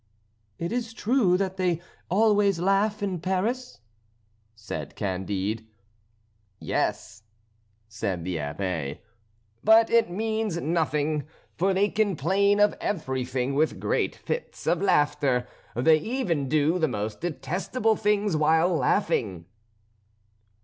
"Is it true that they always laugh in Paris?" said Candide. "Yes," said the Abbé, "but it means nothing, for they complain of everything with great fits of laughter; they even do the most detestable things while laughing."